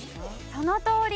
そのとおり。